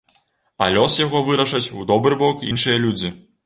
А лёс яго вырашаць у добры бок іншыя людзі.